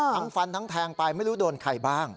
ฟันทั้งแทงไปไม่รู้โดนใครบ้าง